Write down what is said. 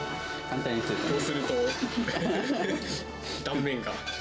こうすると、断面が。